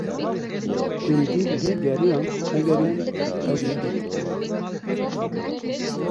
Gundî lê geriyan negeriyan, ew nedîtin.